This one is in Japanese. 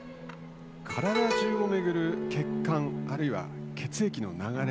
体中を巡る血管あるいは血液の流れ。